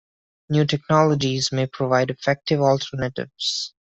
New technologies may provide effective alternatives.